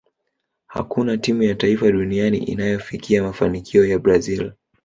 hakuna timu ya taifa duniani inayofikia mafanikio ya brazil